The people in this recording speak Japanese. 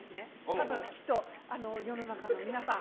多分、きっと、世の中の皆さん。